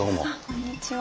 こんにちは。